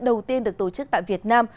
đầu tiên được tổ chức tại việt nam